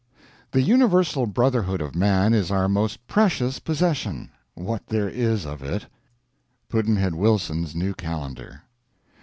The universal brotherhood of man is our most precious possession, what there is of it. Pudd'nhead Wilson's New Calendar.